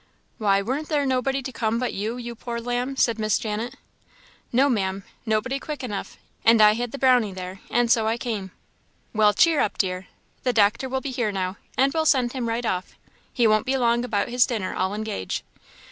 "Why, warn't there nobody to come but you, you poor lamb?" said Miss Janet. "No, Ma'am; nobody quick enough; and I had the Brownie there, and so I came." "Well, cheer up, dear! the doctor will be here now, and we'll send him right off; he won't be long about his dinner, I'll engage.